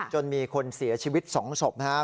จนมีคนเสียชีวิตสองศพนะฮะ